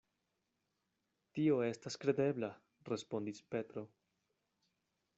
Tio estas kredebla, respondis Petro.